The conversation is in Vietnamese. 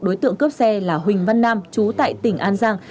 đối tượng cướp xe là huỳnh văn nam chú tại tỉnh an giang